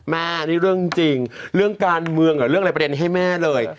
แม่นี่เรื่องจริงเรื่องการเมืองหรือเรื่องอะไรประเด็นให้แม่เลย